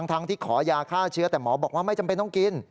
ทั้งที่ขอยาฆ่าเชื้อแต่หมอบอกว่าไม่จำเป็นต้องกิน